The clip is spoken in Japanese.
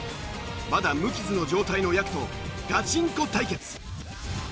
まだ無傷の状態のやくとガチンコ対決。